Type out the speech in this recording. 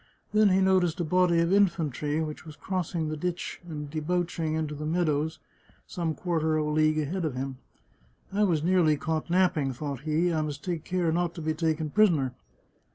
Then he noticed a body of infantry which was crossing the ditch and debouching into the meadows some quarter of a league ahead of him. " I was nearly caught napping," thought he. " I must take care not to be taken prisoner."